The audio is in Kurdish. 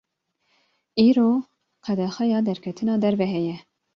îro qedexeya derketina derve heye